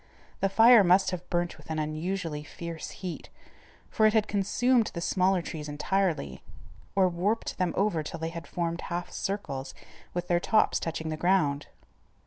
The fire must have burnt with an unusually fierce heat, for it had consumed the smaller trees entirely, or warped them over till they had formed half circles, with their tops touching the ground.